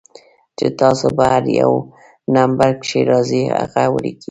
چې تاسو پۀ هر يو نمبر کښې راځئ هغه وليکئ